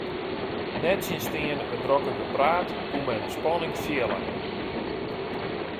Nettsjinsteande it drokke gepraat koe men de spanning fiele.